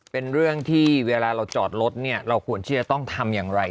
เป็นเรื่องที่เวลาเราจอดรถเนี่ยเราควรที่จะต้องทำอย่างไร